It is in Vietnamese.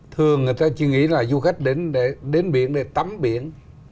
thường người ta chỉ nghĩ là du khách đến biển để tắm biển